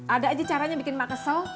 ada aja caranya bikin mak kesel